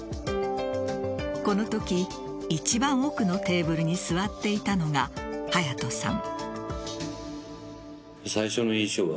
このとき一番奥のテーブルに座っていたのが隼都さん。